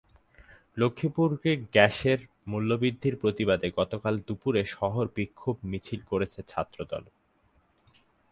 লক্ষ্মীপুর গ্যাসের মূল্যবৃদ্ধির প্রতিবাদে গতকাল দুপুরে শহরে বিক্ষোভ মিছিল করেছে ছাত্রদল।